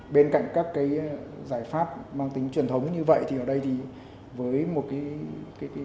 bên cạnh các cái giải pháp mang tính truyền thống như vậy thì ở đây thì với một cái